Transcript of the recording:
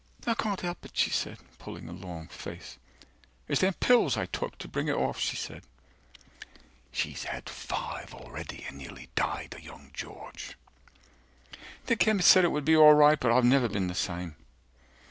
I can't help it, she said, pulling a long face, It's them pills I took, to bring it off, she said. (She's had five already, and nearly died of young George.) 160 The chemist said it would be alright, but I've never been the same.